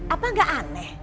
apa gak aneh